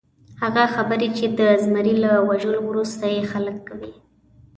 هغه خبرې چې د زمري له وژلو وروسته یې خلک کوي.